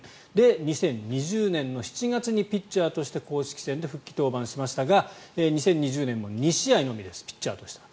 ２０２０年７月にピッチャーとして公式戦で復帰登板しましたが２０２０年も２試合のみですピッチャーとしては。